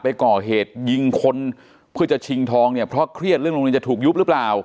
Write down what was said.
ไปก่อเหตุยิงคนเพื่อจะชิงทองเนี่ยเพราะเครียดเรื่องโรงเรียนจะถูกยุบหรือเปล่า